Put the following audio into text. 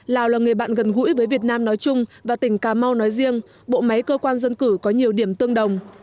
lào là người bạn gần gũi với việt nam nói chung và tỉnh cà mau nói riêng bộ máy cơ quan dân cử có nhiều điểm tương đồng